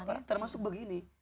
gak apa apa termasuk begini